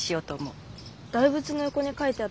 大仏の横に書いてあったやつ？